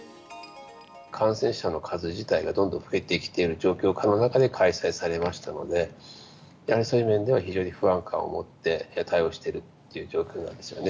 感染者の数自体がどんどん増えてきている状況下の中で開催されましたので、やはりそういう面では非常に不安感を持って対応しているっていう状況なんですよね。